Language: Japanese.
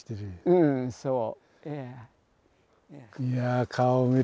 うんそう。